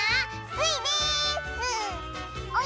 スイです！